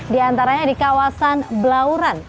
di antaranya di kawasan belauran